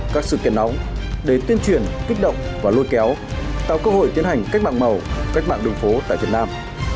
các sự kiện nóng để tuyên truyền kích động và lôi kéo tạo cơ hội tiến hành cách mạng màu cách mạng đường phố tại việt nam